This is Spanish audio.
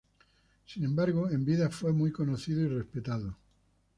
Sin embargo, en vida fue muy conocido y respetado.